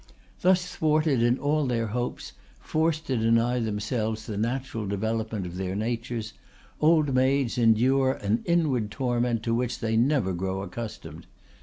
Thus thwarted in all their hopes, forced to deny themselves the natural development of their natures, old maids endure an inward torment to which they never grow accustomed.